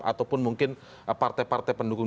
ataupun mungkin partai partai pendukung